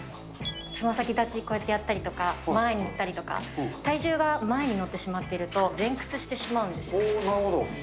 つま先立ち、こうやってやったりとか、前に行ったりとか、体重が前に乗ってしまっていると、なるほど。